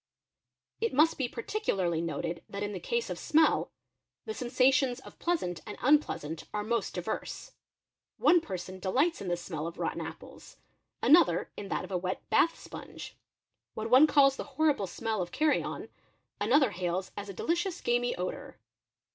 — It must be particularly noted that in the case of smell, the sens ations of pleasant and unpleasant are most diverse. One person delights in the smell of rotten apples, another in that of a wet bath sponge; wha one calls the horrible smell of carrion, another hails as a delicious gamey odour.